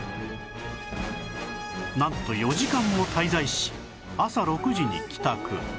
なんと４時間も滞在し朝６時に帰宅